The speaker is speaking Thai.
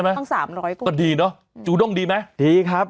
ทั้งสามร้อยตัวก็ดีเนอะจูด้งดีไหมดีครับ